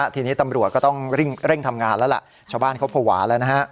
ทีนี้ตำรวจก็ต้องเร่งทำงานแล้วล่ะชาวบ้านเขาภาวะแล้วนะฮะ